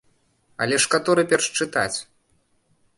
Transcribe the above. Але ж каторы перш чытаць?